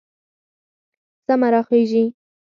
سمه راخېژي